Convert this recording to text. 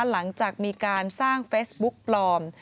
หลังจากมีการสร้างเฟซบุ๊กปลอม